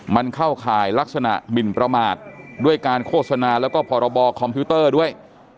มันเข้าข่ายลักษณะหมินประมาทด้วยการโฆษณาแล้วก็พรบคอมพิวเตอร์ด้วย